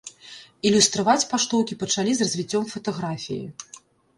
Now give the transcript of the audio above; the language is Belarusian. Ілюстраваць паштоўкі пачалі з развіццём фатаграфіі.